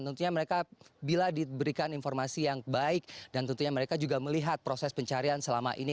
tentunya mereka bila diberikan informasi yang baik dan tentunya mereka juga melihat proses pencarian selama ini